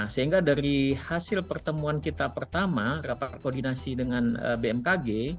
sehingga dari hasil pertemuan kita pertama rapat koordinasi dengan bmkg